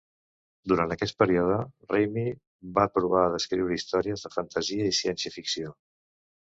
Durant aquest període, Reamy va provar d'escriure històries de fantasia i ciència ficció.